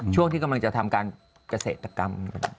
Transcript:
ช่วงที่กำลังจะทำการเกษตรกรรม